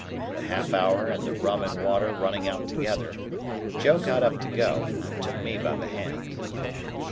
The half hour and the rum and water running out together, Joe got up to go, and took me by the hand.